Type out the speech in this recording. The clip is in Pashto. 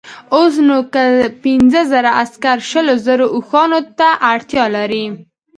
اوس نو که پنځه زره عسکر شلو زرو اوښانو ته اړتیا لري.